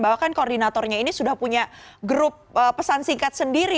bahwa kan koordinatornya ini sudah punya grup pesan singkat sendiri